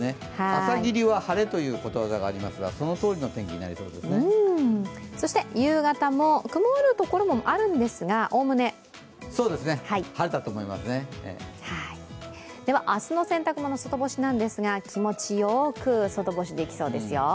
朝霧は晴れという言葉がありますがそして夕方も曇るところもあるんですが概ね明日の洗濯物、外干しなんですが気持ちよく外干しできそうですよ。